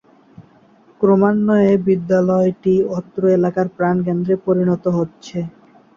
ক্রমান্বয়ে বিদ্যালয়টি অত্র এলাকার প্রাণকেন্দ্রে পরিণত হচ্ছে।